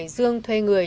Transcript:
dương thuê người